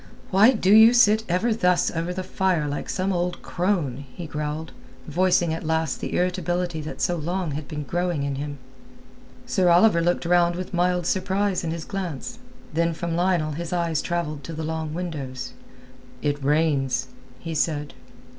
"Why do you sit ever thus over the fire like some old crone?" he growled, voicing at last the irritability that so long had been growing in him. Sir Oliver looked round with mild surprise in his glance. Then from Lionel his eyes travelled to the long windows. "It rains," he said.